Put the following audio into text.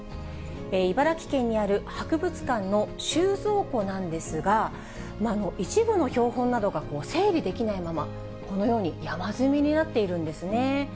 茨城県にある博物館の収蔵庫なんですが、一部の標本などが整理できないまま、このように山積みになっているんですね。